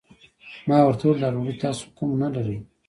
ما ورته وويل دا ډوډۍ تاسو کوم نه لرئ؟